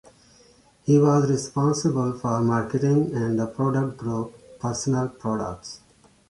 He was responsible for marketing and the product group 'personal products'.